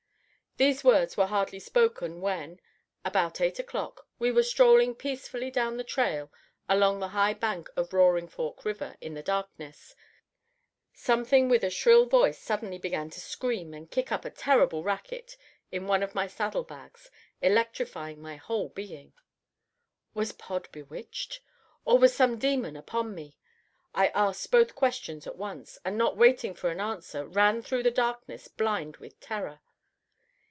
These words were hardly spoken when, about eight o'clock, we were strolling peacefully down the trail along the high bank of Roaring Fork River in the darkness, something with a shrill voice suddenly began to scream and kick up a terrible racket in one of my saddle bags, electrifying my whole being. Was Pod bewitched? Or was some demon upon me? I asked both questions at once, and not waiting for an answer, ran through the darkness blind with terror.